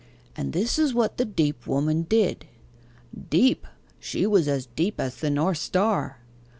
And this is what that deep woman did. Deep? she was as deep as the North Star.